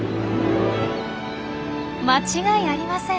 間違いありません。